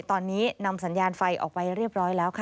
ตอนนี้นำสัญญาณไฟออกไปเรียบร้อยแล้วค่ะ